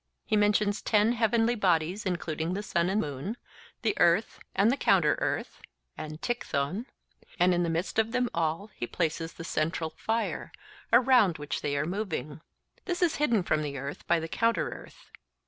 He mentions ten heavenly bodies, including the sun and moon, the earth and the counter earth (Greek), and in the midst of them all he places the central fire, around which they are moving—this is hidden from the earth by the counter earth.